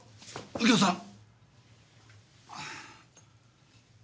右京さん！